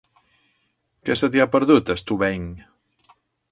Què se t'hi ha perdut, a Estubeny?